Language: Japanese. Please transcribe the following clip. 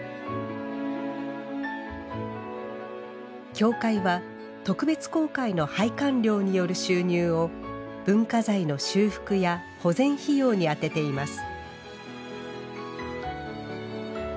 協会は、特別公開の拝観料による収入を文化財の修復や保全費用に充てています。